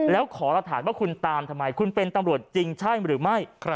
แล้วขอหลักฐานว่าคุณตามทำไมคุณเป็นตำรวจจริงใช่หรือไม่